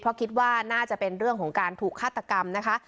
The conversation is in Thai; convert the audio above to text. เพราะคิดว่าน่าจะเป็นเรื่องของการถูกฆาตกรรมนะคะ